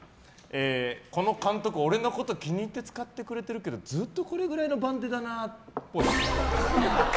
この監督、俺のこと気に入って使ってくれてるけどずっとこれくらいの番手だなっぽい。